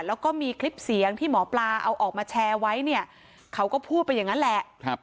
แล้วก็มีคลิปเสียงที่หมอปลาเอาออกมาแชร์ไว้เนี่ยเขาก็พูดไปอย่างนั้นแหละ